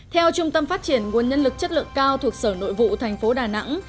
theo trung tâm phát triển nguồn nhân lực chất lượng cao thuộc sở nội vụ tp đà nẵng